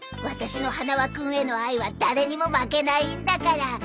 私の花輪君への愛は誰にも負けないんだから。